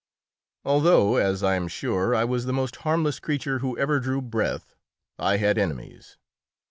Although, as I am sure, I was the most harmless creature who ever drew breath, I had enemies.